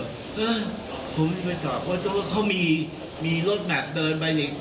เออผมไม่ตอบเพราะเขามีมีลดแบบเดินไป